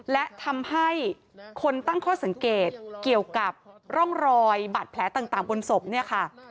และทำให้คนตั้งข้อสังเกตเกี่ยวกับร่องรอยบาดแผลต่างบนศพเนี่ยค่ะ